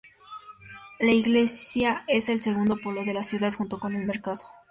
La iglesia es el segundo polo de la ciudad, junto con el mercado.